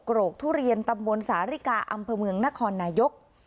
โรคทุเรียนตำบลสาริกาอำเภอเมืองนครนายก